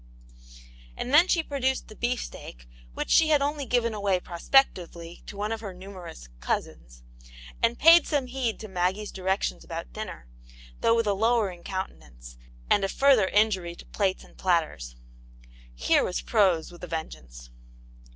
And then she pro duced the beef steak, which she had only given away prospectively to one of her numerous " cousins," and paid some heed to Maggie's directions about dinner, though with a lowering countenance, and a further injury to plates and platters. Here was prose with a vengeance.